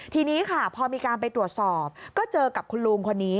ทีนี้ค่ะพอมีการไปตรวจสอบก็เจอกับคุณลุงคนนี้